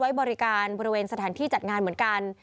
ไว้บริการบริเวณสถานที่จัดงานเหมือนกัน